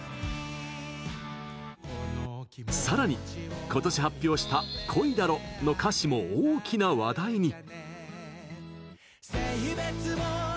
さらに、今年発表した「恋だろ」の歌詞も大きな話題に。